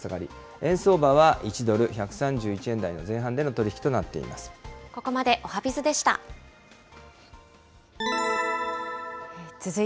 円相場は１ドル１３１円台の前半での取り引きとなってい